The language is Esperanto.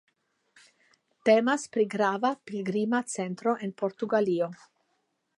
Temas pri grava pligrima centro en Portugalio.